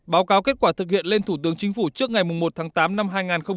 báo cáo kết quả thực hiện lên thủ tướng chính phủ trước ngày một tháng tám năm hai nghìn hai mươi